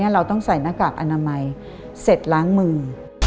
เราต้องใส่หน้ากากอนามัยเสร็จล้างมือ